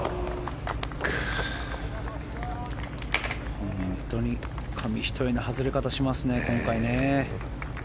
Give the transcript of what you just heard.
本当に紙一重な外れ方しますね、今回。